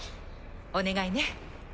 お願いね。